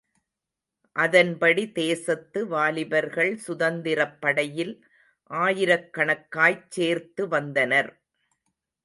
அதன்படி தேசத்து வாலிபர்கள் சுதந்திரப்படையில் ஆயிரக்கணக்காய்ச் சேர்த்து வந்தனர்.